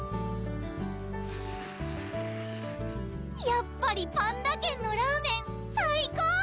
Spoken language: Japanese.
やっぱりぱんだ軒のラーメン最高！